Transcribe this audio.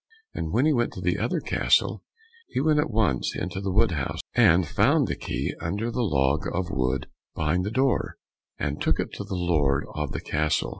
And when he got to the other castle he went at once into the wood house, and found the key under the log of wood behind the door, and took it to the lord of the castle.